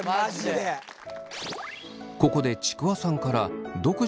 ここでちくわさんからハハハハ！